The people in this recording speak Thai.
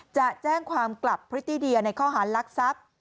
จะแจ้งความกลับพดในข้อหารรักทรัพย์